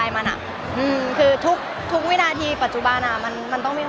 มันเป็นเรื่องน่ารักที่เวลาเจอกันเราต้องแซวอะไรอย่างเงี้ย